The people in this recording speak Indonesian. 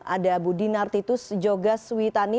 ada budinar titus jogas witani